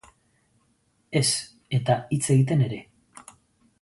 Ez eta hitz egiten ere.